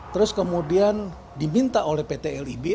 terus kemudian diminta oleh pt lib